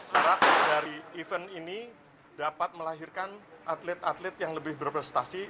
harap dari event ini dapat melahirkan atlet atlet yang lebih berprestasi